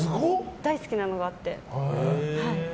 大好きなのがあって。